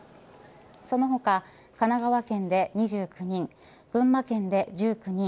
その他、神奈川県で２９人群馬県で１９人